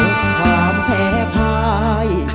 ช่วยด่อยผิดควบความเพภาย